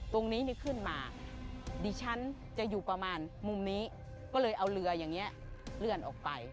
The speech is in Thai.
ตรงนี้ขึ้นมาดิฉันจะอยู่ประมาณมุมนี้ก็เลยเอาเรืออย่างนี้เลื่อนออกไป